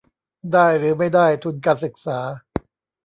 ได้หรือไม่ได้ทุนการศึกษา